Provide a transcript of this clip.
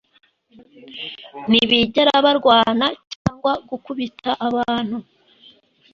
ntibigera barwana cyangwa gukubita abantu